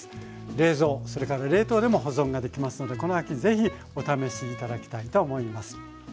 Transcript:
冷蔵それから冷凍でも保存ができますのでこの秋ぜひお試し頂きたいと思います。